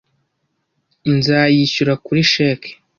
Nzayishyura kuri cheque.